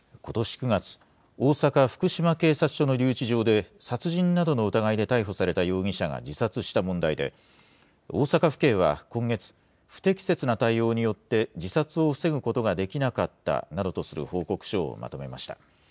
９月、大阪・福島警察署の留置場で、殺人などの疑いで逮捕された容疑者が自殺した問題で、大阪府警は今月、不適切な対応によって、自殺を防ぐことができなかったなどとする報告書をまとめました。